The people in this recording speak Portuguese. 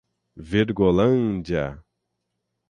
Virgolândia